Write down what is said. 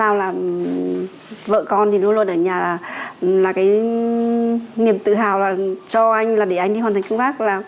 và vợ con thì luôn luôn ở nhà là cái niềm tự hào là cho anh là để anh đi hoàn thành công tác